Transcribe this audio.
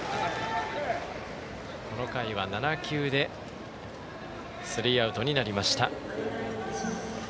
この回は７球でスリーアウトになりました。